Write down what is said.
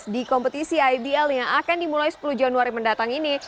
di kompetisi ibl yang akan dimulai sepuluh januari mendatang ini